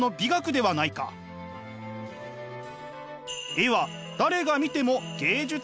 絵は誰が見ても芸術作品。